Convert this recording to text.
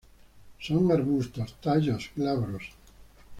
Son arbustos; tallos glabros.